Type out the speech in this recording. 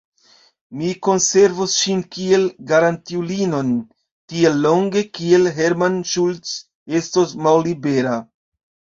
Mi konservos ŝin kiel garantiulinon tiel longe, kiel Hermann Schultz estos mallibera.